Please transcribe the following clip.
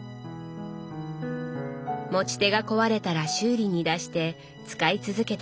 持ち手が壊れたら修理に出して使い続けてきました。